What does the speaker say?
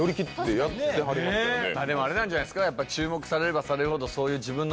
でもあれなんじゃないですか注目されれば。